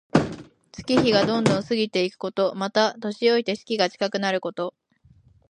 月日がどんどん過ぎていくこと。また、年老いて死期が近くなること。